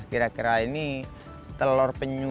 kira kira ini telur penyu